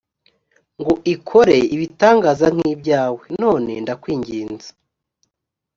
ngo ikore ibitangaza nk ibyawe none ndakwinginze